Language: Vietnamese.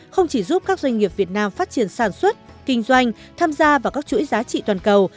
không chỉ giúp các doanh nghiệp việt nam phát triển sản xuất kinh doanh tham gia vào các chuỗi giá trị toàn cầu